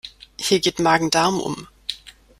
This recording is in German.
Hier geht Magen-Darm um.